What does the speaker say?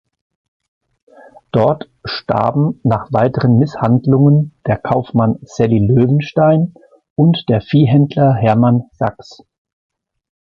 Dort starben nach weiteren Misshandlungen der Kaufmann Sally Löwenstein und der Viehhändler Hermann Sax.